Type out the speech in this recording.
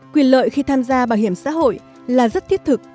quyền lợi khi tham gia bảo hiểm xã hội là rất thiết thực